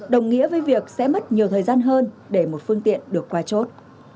đồng nghĩa với việc sẽ mất nhiều thời gian hơn để một phương tiện được qua chốt